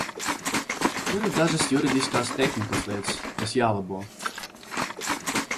Tur ir dažas juridiskās tehnikas lietas, kas jālabo.